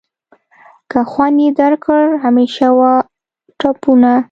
که خوند یې درکړ همیشه وهه ټوپونه.